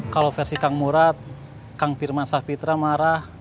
kalau versi kang murad kang firman sahpitra marah